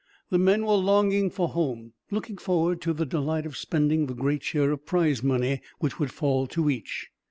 The men were longing for home, looking forward to the delight of spending the great share of prize money which would fall to each.